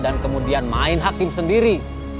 dan kemudian main hakim sendiri